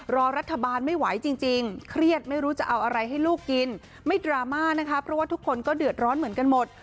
รอรัฐบาลไม่ไหวจริงเครียดไม่รู้จะเอาอะไรให้ลูกกินไม่ดราม่านะคะเพราะว่าทุกคนก็เดือดร้อนเหมือนกันหมด